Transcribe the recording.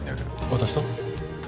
私と？